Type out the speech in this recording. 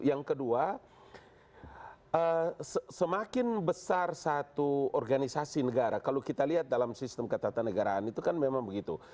yang kedua semakin besar satu organisasi negara kalau kita lihat dalam sistem ketatanegaraan itu kan memang begitu